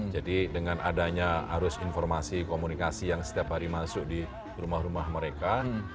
dengan adanya arus informasi komunikasi yang setiap hari masuk di rumah rumah mereka